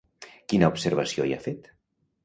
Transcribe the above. Quina observació hi ha fet?